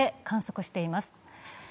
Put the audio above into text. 観測しています。